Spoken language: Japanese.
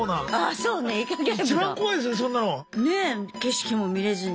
ねえ景色も見れずに。